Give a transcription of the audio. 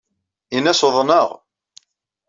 Ini-as uḍneɣ.